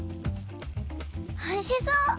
おいしそう！